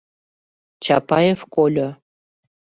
Чапаев кольо.